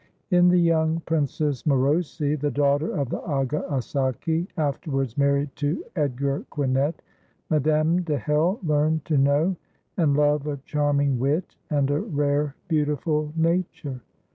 In the young Princess Morosi, the daughter of the Aga Assaki, afterwards married to Edgar Quinet, Madame de Hell learned to know and love a charming wit and a rare beautiful nature.